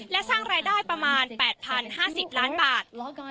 และสร้างรายได้ประมาณ๘๐๕๐ล้านบาท